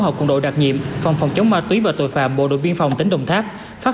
học cùng đội đặc nhiệm phòng phòng chống ma túy và tội phạm bộ đội biên phòng tỉnh đồng tháp phát